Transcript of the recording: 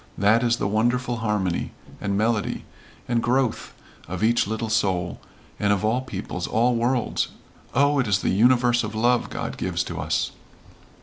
That is the wonderful harmony and melody and growth of each little soul and of all peoples, all worlds, Oh, it is the universe of love God gives to us."